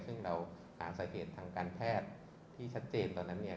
ซึ่งเราหาสาเหตุทางการแพทย์ที่ชัดเจนตอนนั้นเนี่ย